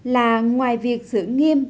là ngoài việc xử nghiêm